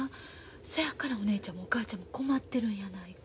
そやからお姉ちゃんもお母ちゃんも困ってるんやないか。